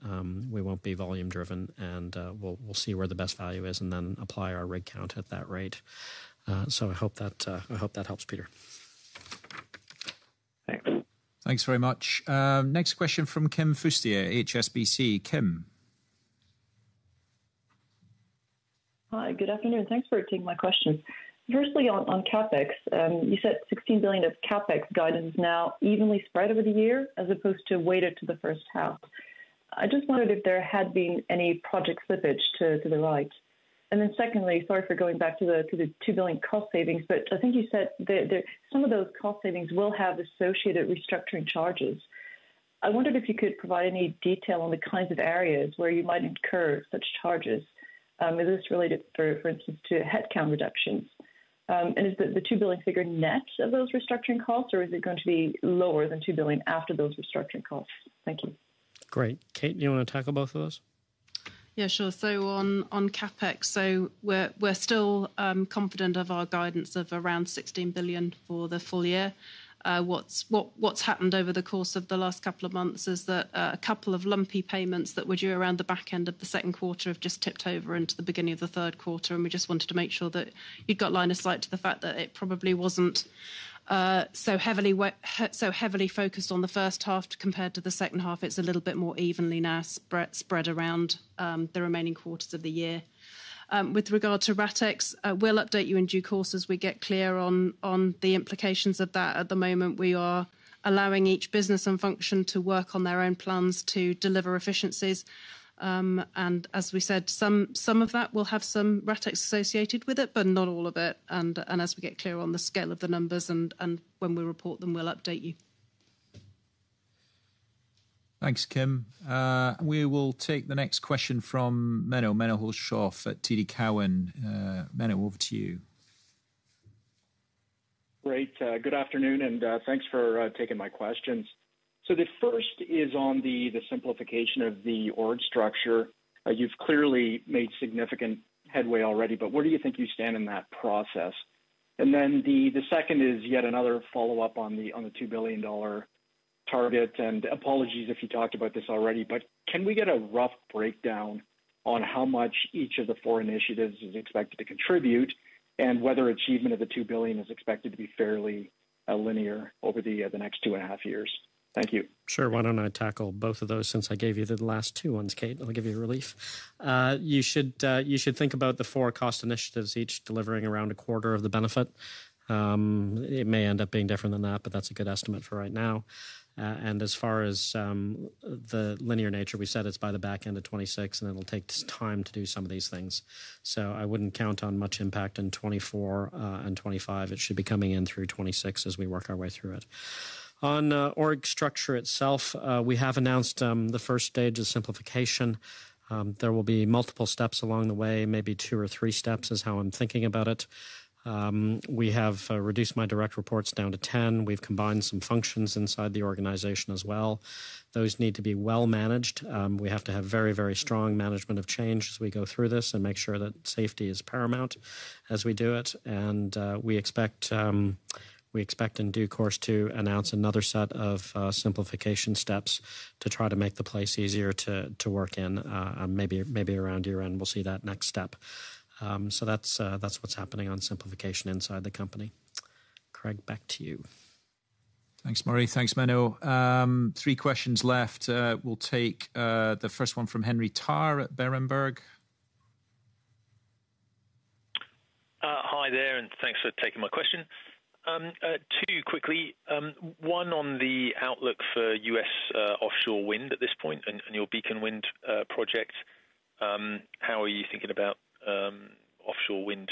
We won't be volume driven, and we'll see where the best value is and then apply our rig count at that rate. So I hope that helps, Peter. Thanks. Thanks very much. Next question from Kim Fustier, HSBC. Kim? Hi, good afternoon. Thanks for taking my question. Firstly, on CapEx, you said $16 billion of CapEx guidance is now evenly spread over the year as opposed to weighted to the first half. I just wondered if there had been any project slippage to the right. And then secondly, sorry for going back to the $2 billion cost savings, but I think you said that some of those cost savings will have associated restructuring charges. I wondered if you could provide any detail on the kinds of areas where you might incur such charges. Is this related, for instance, to headcount reductions? And is the $2 billion figure net of those restructuring costs, or is it going to be lower than $2 billion after those restructuring costs? Thank you. Great. Kate, do you want to tackle both of those? Yeah, sure. So on CapEx, so we're still confident of our guidance of around $16 billion for the full year. What's happened over the course of the last couple of months is that a couple of lumpy payments that were due around the back end of the second quarter have just tipped over into the beginning of the third quarter, and we just wanted to make sure that you've got line of sight to the fact that it probably wasn't so heavily so heavily focused on the first half compared to the second half. It's a little bit more evenly now spread around the remaining quarters of the year. With regard to RateX, we'll update you in due course as we get clear on the implications of that. At the moment, we are allowing each business and function to work on their own plans to deliver efficiencies. And as we said, some of that will have some RateX associated with it, but not all of it. And as we get clearer on the scale of the numbers and when we report them, we'll update you. Thanks, Kim. We will take the next question from Menno Hulshof at TD Cowen. Meno, over to you. Great. Good afternoon, and thanks for taking my questions. So the first is on the simplification of the org structure. You've clearly made significant headway already, but where do you think you stand in that process? And then the second is yet another follow-up on the $2 billion target, and apologies if you talked about this already, but can we get a rough breakdown on how much each of the four initiatives is expected to contribute? And whether achievement of the $2 billion is expected to be fairly linear over the next two and a half years? Thank you. Sure. Why don't I tackle both of those since I gave you the last two ones, Kate? I'll give you a relief. You should think about the four cost initiatives, each delivering around a quarter of the benefit. It may end up being different than that, but that's a good estimate for right now. And as far as the linear nature, we said it's by the back end of 2026, and it'll take time to do some of these things. So I wouldn't count on much impact in 2024 and 2025. It should be coming in through 2026 as we work our way through it. On org structure itself, we have announced the first stage of simplification. There will be multiple steps along the way, maybe two or three steps, is how I'm thinking about it. We have reduced my direct reports down to 10. We've combined some functions inside the organization as well. Those need to be well managed. We have to have very, very strong management of change as we go through this, and make sure that safety is paramount as we do it. We expect in due course to announce another set of simplification steps to try to make the place easier to work in. Maybe around year-end, we'll see that next step. So that's what's happening on simplification inside the company. Craig, back to you. Thanks, Murray. Thanks, Menno. Three questions left. We'll take the first one from Henry Tarr at Berenberg. Hi there, and thanks for taking my question. Two quickly, one on the outlook for U.S. offshore wind at this point and your Beacon Wind project. How are you thinking about offshore wind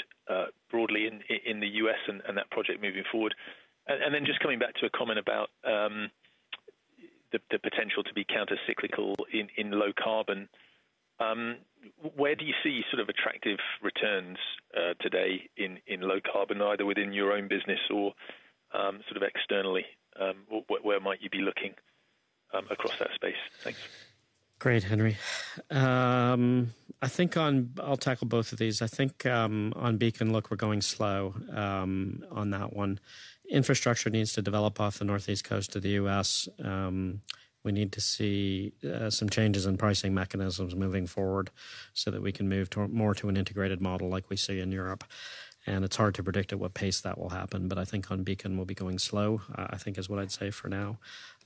broadly in the U.S. and that project moving forward? And then just coming back to a comment about the potential to be countercyclical in low carbon. Where do you see sort of attractive returns today in low carbon, either within your own business or sort of externally? Where might you be looking across that space? Thanks. Great, Henry. I think on... I'll tackle both of these. I think, on Beacon, look, we're going slow, on that one. Infrastructure needs to develop off the northeast coast of the U.S. We need to see, some changes in pricing mechanisms moving forward so that we can move to- more to an integrated model like we see in Europe, and it's hard to predict at what pace that will happen. But I think on Beacon, we'll be going slow, I think is what I'd say for now.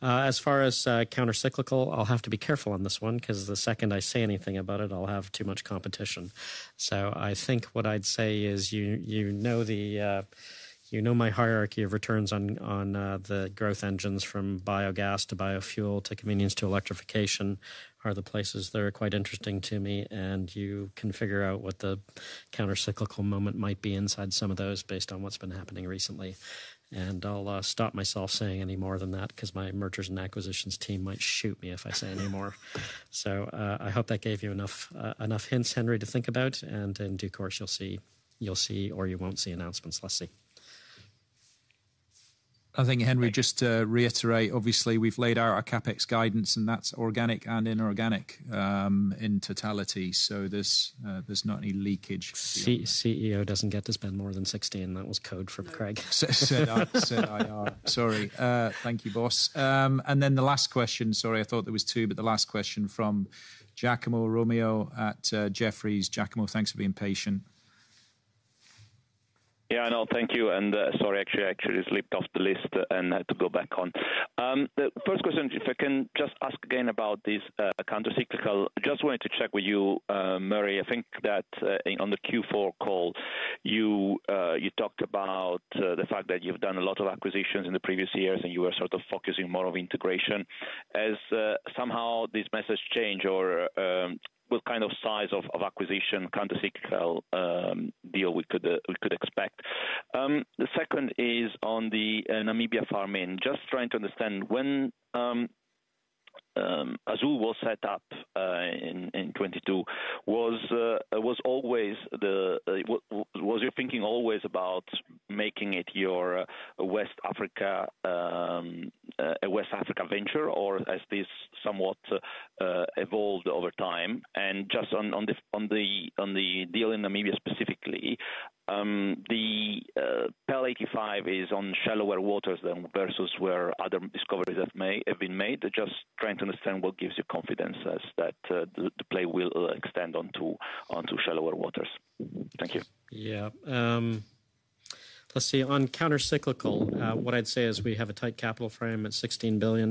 As far as, countercyclical, I'll have to be careful on this one, 'cause the second I say anything about it, I'll have too much competition. So I think what I'd say is, you know the hierarchy of returns on the growth engines from biogas to biofuel to convenience to electrification are the places that are quite interesting to me. And you can figure out what the countercyclical moment might be inside some of those based on what's been happening recently. And I'll stop myself saying any more than that, 'cause my mergers and acquisitions team might shoot me if I say any more. So I hope that gave you enough enough hints, Henry, to think about, and in due course, you'll see or you won't see announcements. Let's see. I think, Henry, just to reiterate, obviously, we've laid out our CapEx guidance, and that's organic and inorganic, in totality, so there's not any leakage. CEO doesn't get to spend more than $60, and that was code for Craig. Said I, said IR. Sorry. Thank you, boss. Then the last question. Sorry, I thought there was two, but the last question from Giacomo Romeo at Jefferies. Giacomo, thanks for being patient. Yeah, I know. Thank you, and, sorry, actually, I actually slipped off the list and had to go back on. The first question, if I can just ask again about this, countercyclical. Just wanted to check with you, Murray, I think that, on the Q4 call, you, you talked about, the fact that you've done a lot of acquisitions in the previous years, and you were sort of focusing more on integration. Has, somehow this message changed or, what kind of size of, of acquisition, countercyclical, deal we could, we could expect? The second is on the, Namibia farm-in. Just trying to understand, when Azule was set up, in 2022, was always the, was your thinking always about making it your West Africa, a West Africa venture, or has this somewhat evolved over time? And just on, on the, on the deal in Namibia specifically, the PEL 85 is on shallower waters than versus where other discoveries have made, have been made. Just trying to understand what gives you confidence as that, the, the play will extend onto, onto shallower waters. Thank you. Yeah. Let's see. On countercyclical, what I'd say is we have a tight capital frame at $16 billion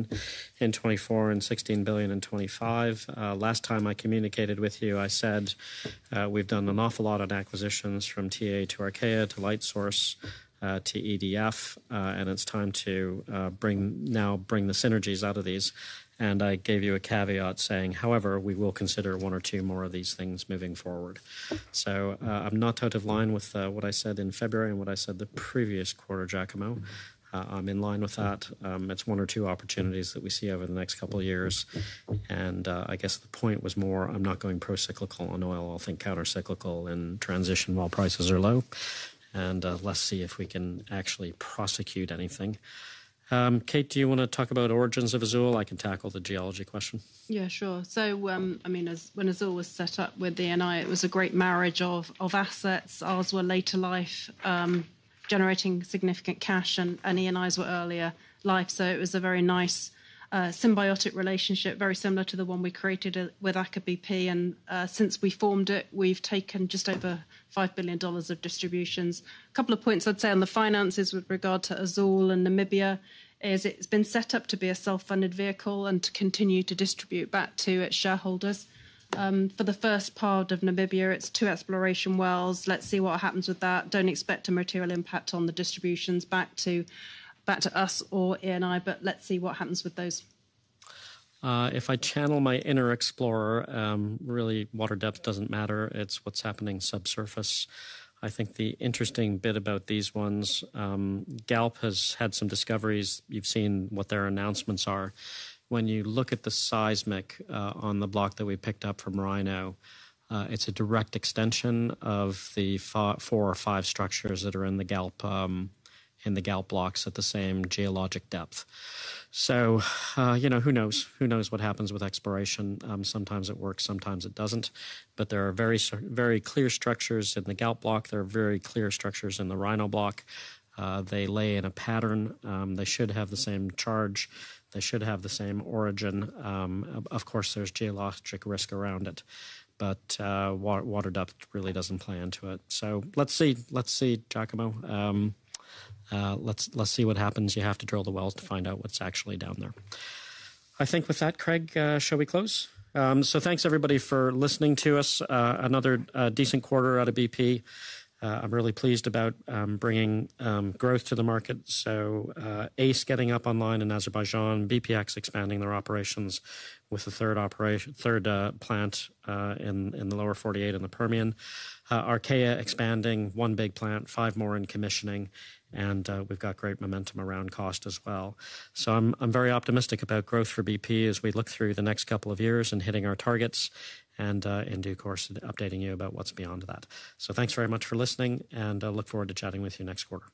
in 2024 and $16 billion in 2025. Last time I communicated with you, I said, we've done an awful lot on acquisitions, from TA to Archaea to Lightsource, to EDF, and it's time to, now bring the synergies out of these. And I gave you a caveat saying, however, we will consider one or two more of these things moving forward. So, I'm not out of line with, what I said in February and what I said the previous quarter, Giacomo. I'm in line with that. It's one or two opportunities that we see over the next couple of years. And, I guess the point was more, I'm not going procyclical on oil. I'll think countercyclical and transition while prices are low, and let's see if we can actually prosecute anything. Kate, do you want to talk about origins of Azule? I can tackle the geology question. Yeah, sure. So, I mean, as when Azule was set up with Eni, it was a great marriage of, of assets. Ours were later life, generating significant cash, and, and Eni's were earlier life. So it was a very nice, symbiotic relationship, very similar to the one we created at, with Aker BP. And, since we formed it, we've taken just over $5 billion of distributions. A couple of points I'd say on the finances with regard to Azule and Namibia is, it's been set up to be a self-funded vehicle and to continue to distribute back to its shareholders. For the first part of Namibia, it's two exploration wells. Let's see what happens with that. Don't expect a material impact on the distributions back to us or Eni, but let's see what happens with those. If I channel my inner explorer, really, water depth doesn't matter. It's what's happening subsurface. I think the interesting bit about these ones, Galp has had some discoveries. You've seen what their announcements are. When you look at the seismic, on the block that we picked up from Rhino, it's a direct extension of the four or five structures that are in the Galp, in the Galp blocks at the same geologic depth. So you know, who knows? Who knows what happens with exploration? Sometimes it works, sometimes it doesn't. But there are very clear structures in the Galp block. There are very clear structures in the Rhino block. They lay in a pattern. They should have the same charge. They should have the same origin. Of course, there's geologic risk around it, but water depth really doesn't play into it. So let's see. Let's see, Giacomo. Let's see what happens. You have to drill the wells to find out what's actually down there. I think with that, Craig, shall we close? So thanks, everybody, for listening to us. Another decent quarter out of BP. I'm really pleased about bringing growth to the market. So, ACE getting up online in Azerbaijan, bpx expanding their operations with the third operation, third plant in the Lower 48 in the Permian. Archaea expanding one big plant, five more in commissioning, and we've got great momentum around cost as well. So I'm very optimistic about growth for BP as we look through the next couple of years and hitting our targets and, in due course, updating you about what's beyond that. So thanks very much for listening, and I look forward to chatting with you next quarter.